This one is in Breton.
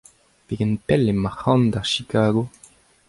Pegen pell emañ ac'hann da Chicago ?